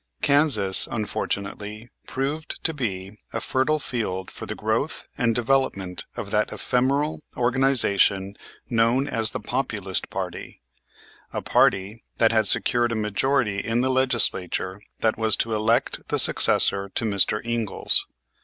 Kansas, unfortunately, proved to be a fertile field for the growth and development of that ephemeral organization known as the Populist party, a party that had secured a majority in the Legislature that was to elect the successor to Mr. Ingalls.